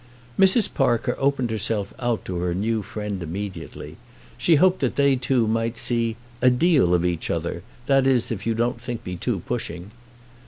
Mrs. Parker opened herself out to her new friend immediately. She hoped that they two might see "a deal of each other; that is, if you don't think me too pushing."